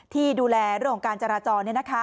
ที่ดูแลโรงการจราจร